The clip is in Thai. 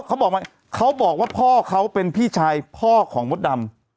เขาบอกไหมเขาบอกว่าพ่อเขาเป็นพี่ชายพ่อของมดดำ